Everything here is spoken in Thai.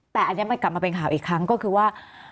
แต่อันนี้มันกลับมาเป็นข่าวอีกครั้งก็คือว่า